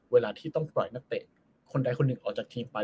เวลาที่ต้องปล่อยนักเตะคนใดคนหนึ่งออกจากทีมไป